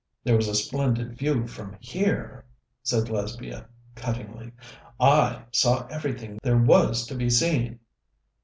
"There was a splendid view from here," said Lesbia cuttingly. "I saw everything there was to be seen."